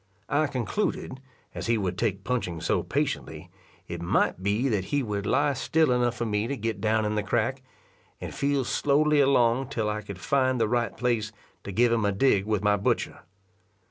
I concluded, as he would take punching so patiently, it might be that he would lie still enough for me to get down in the crack, and feel slowly along till I could find the right place to give him a dig with my butcher.